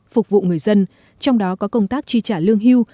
phục vụ người dân trong đó có công tác chi trả lương hưu